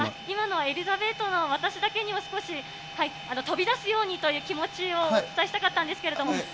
今のは、エリザベートで、私だけにを、少し、飛び出すようにという気持ちをお伝えしたかったんですけれども。